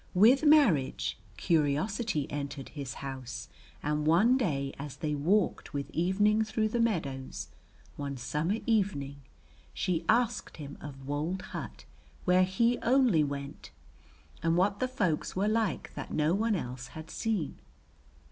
With marriage curiosity entered his house, and one day as they walked with evening through the meadows, one summer evening, she asked him of wold hut where he only went, and what the folks were like that no one else had seen.